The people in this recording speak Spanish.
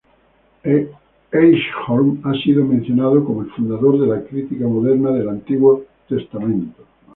Eichhorn ha sido mencionado como "el fundador de la crítica moderna del Antiguo Testamento".